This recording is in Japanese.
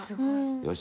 よし！